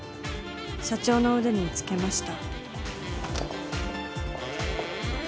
社長の腕につけました。